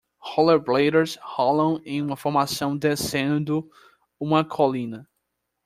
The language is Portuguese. Rollerbladers rolam em formação descendo uma colina.